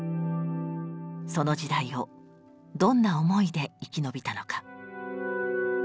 その時代をどんな思いで生き延びたのか。